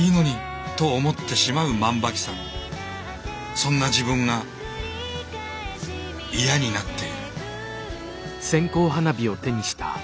そんな自分が嫌になっている。